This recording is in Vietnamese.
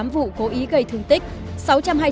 ba trăm chín mươi tám vụ cố ý gây thương tích